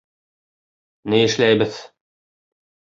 — Ни эшләйбеҙ?